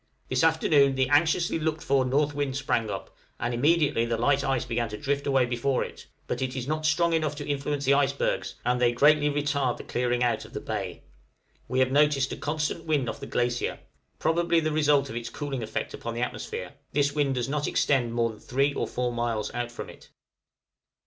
This afternoon the anxiously looked for north wind sprang up, and immediately the light ice began to drift away before it, but it is not strong enough to influence the icebergs, and they greatly retard the clearing out of the bay. We have noticed a constant wind off the glacier, probably the result of its cooling effect upon the atmosphere; this wind does not extend more than 3 or 4 miles out from it.